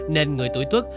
nên người tuổi tuốt